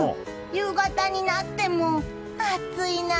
夕方になっても暑いな。